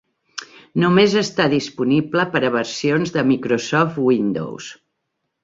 Només està disponible per a versions de Microsoft Windows.